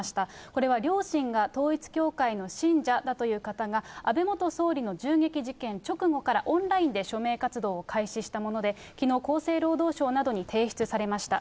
これは両親が統一教会の信者だという方が安倍元総理の銃撃事件直後からオンラインで署名活動を開始したもので、きのう、厚生労働省などに提出されました。